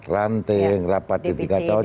rapat ranting rapat ditingkatkan